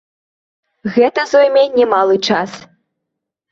Гэта зойме немалы час.